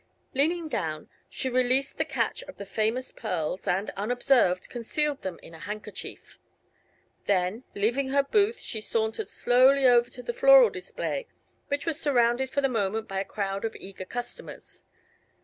Leaning down, she released the catch of the famous pearls and unobserved concealed them in a handkerchief. Then, leaving her booth, she sauntered slowly over to the floral display, which was surrounded for the moment by a crowd of eager customers.